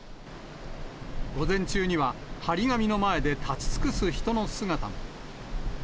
午前中には貼り紙の前で立ち尽くす人の姿も。